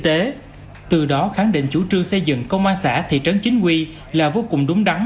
tế từ đó khẳng định chủ trương xây dựng công an xã thị trấn chính quy là vô cùng đúng đắn